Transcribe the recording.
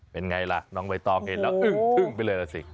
เป็นไงล่ะน้องไวต้องเองอึ้งไปเลยแล้วสิ